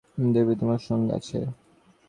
তুমি বলতে চাও, তারপর থেকে সেই দেবী তোমার সঙ্গে আছে?